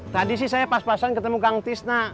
tadi sih saya pas pasan ketemu kang tisna